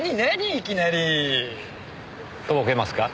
いきなり。とぼけますか？